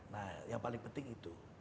nah yang paling penting itu